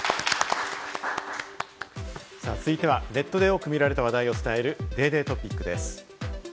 続いてはネットで多く見られた話題をお伝えするＤａｙＤａｙ．トピックです。